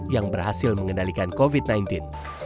yang berhasil mengendalikan kegiatan masyarakat